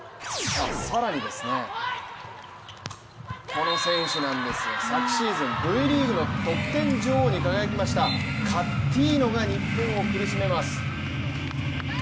更に、この選手なんですが昨シーズンＶリーグの得点女王に輝きました、カッティーノが日本を苦しめます。